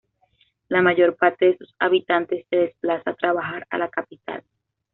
La mayor parte de sus habitantes se desplaza a trabajar a la capital.